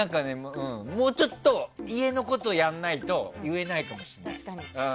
もうちょっと家のことをやらないと言えないかもしれない。